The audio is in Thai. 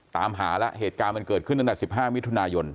ตามหาแล้วเหตุการณ์มันเกิดขึ้นตั้งแต่๑๕มิถุนายน